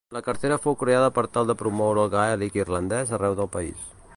La cartera fou creada per tal de promoure el gaèlic irlandès arreu del país.